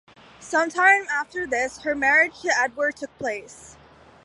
Some time after this her marriage to Edward took place.